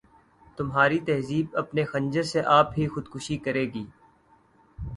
تمہاری تہذیب اپنے خنجر سے آپ ہی خودکشی کرے گی